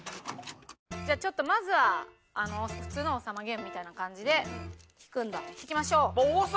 じゃあちょっとまずは普通の王様ゲームみたいな感じで引きましょう。